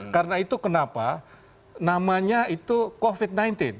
karena itu kenapa namanya itu covid sembilan belas